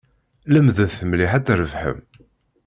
Lemdet mliḥ ad trebḥem.